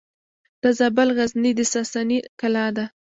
د زابل غزنیې د ساساني کلا ده